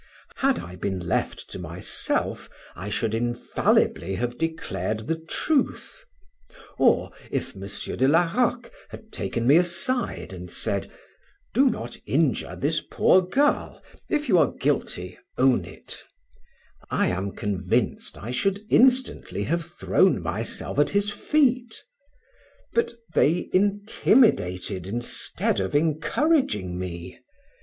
Had I been left to myself, I should infallibly have declared the truth. Or if M. de la Rogue had taken me aside, and said "Do not injure this poor girl; if you are guilty own it," I am convinced I should instantly have thrown myself at his feet; but they intimidated, instead of encouraging me.